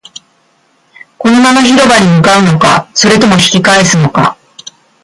このまま広場に向かうのか、それとも引き返すのか